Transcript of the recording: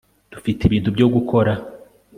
dufite ibintu byo gukora